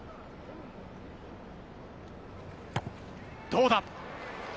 どうだ？